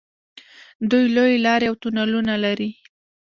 دوی لویې لارې او تونلونه لري.